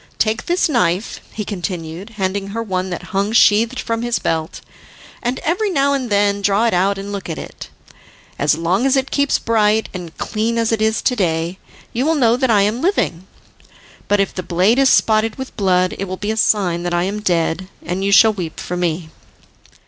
Take this knife," he continued, handing her one that hung sheathed from his belt, "and every now and then draw it out and look at it. As long as it keeps bright and clean as it is to day, you will know that I am living; but if the blade is spotted with blood, it will be a sign that I am dead, and you shall weep for me."